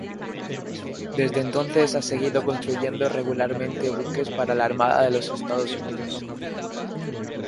Desde entonces ha seguido construyendo regularmente buques para la Armada de los Estados Unidos.